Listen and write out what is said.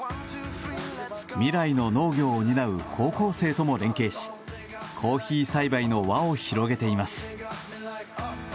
未来の農業を担う高校生とも連携しコーヒー栽培の輪を広げています。